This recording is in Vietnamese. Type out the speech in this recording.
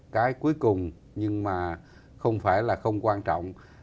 cái cuối cùng nhưng mà không phải là không quan trọng